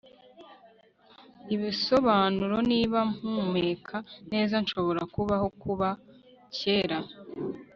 ibisobanuro niba mpumeka neza nshobora kubaho kuba kera